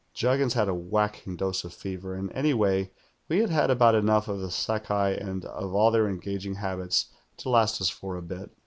Juggins had a whacking dose of fever, and anyway we had had about enough of the Sakai and of all their engaging habits to last us for a bit.